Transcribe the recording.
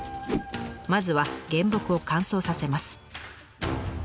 まずは原木を乾燥させます。